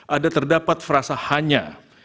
ada terdapat frasa hanya